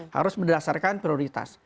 harus berdasarkan prioritas